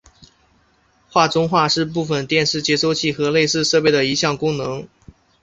画中画是部分电视接收器和类似设备的一项功能。